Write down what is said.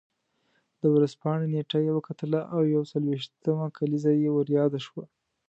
د ورځپاڼې نېټه یې وکتله او یو څلوېښتمه کلیزه یې ور یاده شوه.